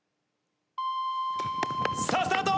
さあスタート！